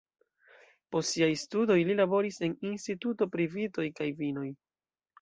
Post siaj studoj li laboris en instituto pri vitoj kaj vinoj.